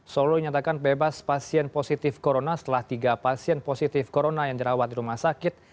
solo dinyatakan bebas pasien positif corona setelah tiga pasien positif corona yang dirawat di rumah sakit